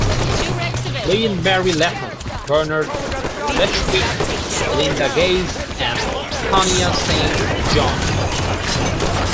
Lynn Marie Latham, Bernard Lechowick, Linda Gase, and Thania Saint John.